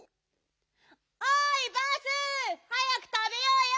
おいバース早くたべようよ！